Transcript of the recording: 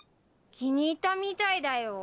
気に入ったみたいだよ。